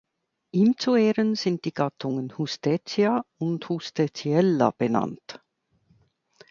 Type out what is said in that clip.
Ihm zu Ehren sind die Gattungen "Hustedtia" und "Hustedtiella" benannt.